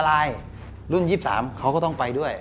ลายรุ่น๒๓เขาก็ต้องไปด้วย